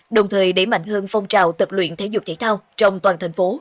đồng thời đẩy mạnh hơn phong trào tập luyện thể dục thể thao trong toàn thành phố